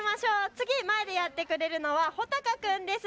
次、前でやってくれるのは穂高君です。